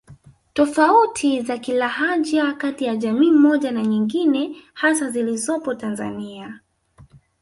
Tofauti za kilahaja kati ya jamii moja na nyingine hasa zilizopo Tanzania